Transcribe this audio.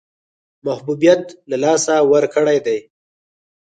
محبوبیت له لاسه ورکړی دی.